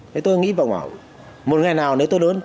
thế tôi nghĩ vòng hỏi một ngày nào nếu tôi lớn